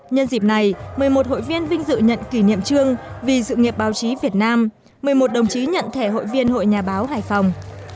nhân dịp này một mươi một hội viên vinh dự nhận kỷ niệm trương vì dự nghiệp báo chí việt nam một mươi một đồng chí nhận thẻ hội viên hội nhà báo hải phòng